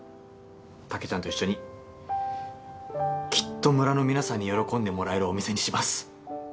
竹ちゃんと一緒にきっと村の皆さんに喜んでもらえるお店にします